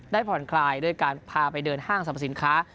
ผ่อนคลายด้วยการพาไปเดินห้างสรรพสินค้า